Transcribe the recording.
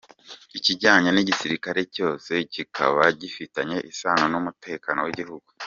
Ikijyanye n’igisirikare cyose kikaba gifitanye isano n’umutekano w’igihugu.